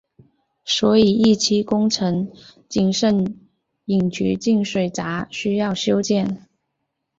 所以一期工程仅剩引渠进水闸需要修建。